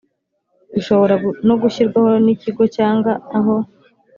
bishobora no gushyirwaho n ikigo cyangwa aho